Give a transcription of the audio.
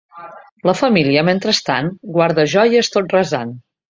La família mentrestant guarda joies tot resant.